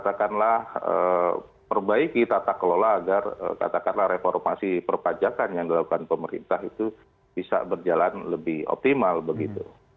katakanlah perbaiki tata kelola agar katakanlah reformasi perpajakan yang dilakukan pemerintah itu bisa berjalan lebih optimal begitu